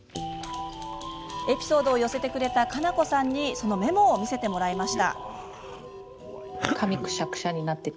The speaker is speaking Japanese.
エピソードを寄せてくれたかなこさんにメモを見せてもらいました。